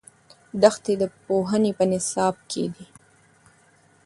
دښتې د پوهنې په نصاب کې دي.